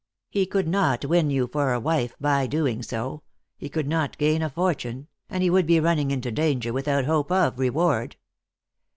He could not win you for a wife by doing so; he could not gain a fortune, and he would be running into danger without hope of reward.